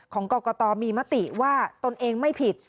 ของกรกตมีมติว่าตนเองไม่ผิด